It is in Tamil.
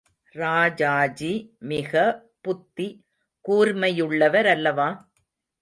ராஜாஜி மிக புத்தி கூர்மையுள்ளவரல்லவா?